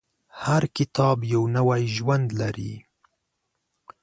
هر کتاب یو نوی ژوند لري.